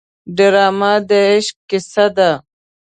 ډرامه د عشق کیسه ده